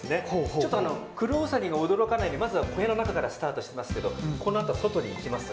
ちょっとクロウサギが驚かないようにまず小屋の中からスタートしていますけどもこのあと外に行きます。